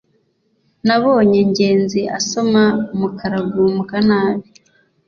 nabonye ngenzi asoma mukarugambwa nabi